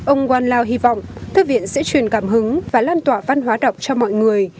ông guanlao hy vọng thư viện sẽ truyền cảm hứng và lan tỏa văn hóa đọc cho mọi người